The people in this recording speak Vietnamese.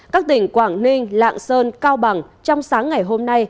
các tỉnh quảng ninh lạng sơn cao bằng trong sáng ngày hôm nay